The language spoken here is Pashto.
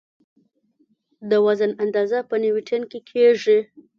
د وزن اندازه په نیوټن کې کېږي.